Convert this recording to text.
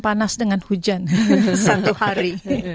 panas dengan hujan satu hari